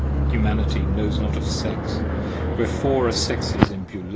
Humanity knows not of Sex: wherefore are Sexes in Beulah?